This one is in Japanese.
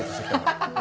ハハハ。